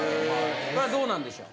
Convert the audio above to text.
これどうなんでしょう？